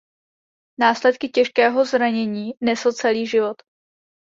Následky těžkého zranění nesl celý život.